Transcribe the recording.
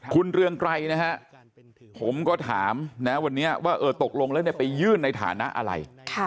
คุณเรืองไกรนะฮะผมก็ถามนะวันนี้ว่าตกลงแล้วไปยื่นในฐานะอะไร